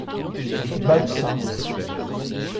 Bad St.